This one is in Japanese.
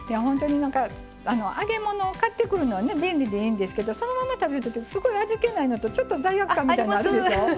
揚げ物を買ってくるのは便利でいいんですけどそのまま食べるときはすごい味気ないのと罪悪感みたいのありますでしょ